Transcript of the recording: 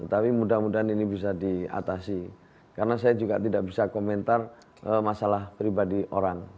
tapi mudah mudahan ini bisa diatasi karena saya juga tidak bisa komentar masalah pribadi orang